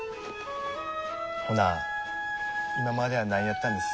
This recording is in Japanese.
ほな今までは何やったんです？